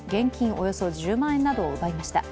およそ１０万円などを奪いました。